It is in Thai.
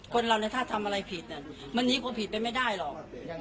คนเราในท่าทำอะไรผิดเนี่ยมันหนีพวกผิดไปไม่ได้หรอก